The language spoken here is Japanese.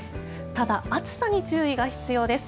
ただ、暑さに注意が必要です。